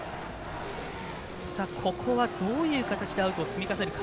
ここは、どういう形でアウトを積み重ねるか。